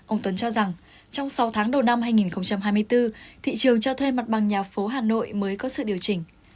ông tuấn cho rằng trong sáu tháng đầu năm hai nghìn hai mươi bốn thị trường cho thuê mặt bằng nhà phố hà nội mới có sự điều chỉnh